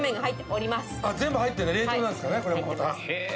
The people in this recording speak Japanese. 全部入って冷凍なんですかねこれもまた。